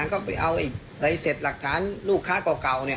ก็ไปเอาอะไรเสร็จหลักฐานลูกค้าเก่าเนี่ย